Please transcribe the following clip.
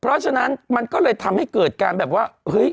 เพราะฉะนั้นมันก็เลยทำให้เกิดการแบบว่าเฮ้ย